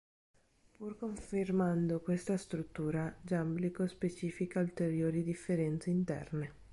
Pur confermando questa struttura, Giamblico specifica ulteriori differenze interne.